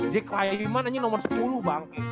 jack layman anjing nomor sepuluh bang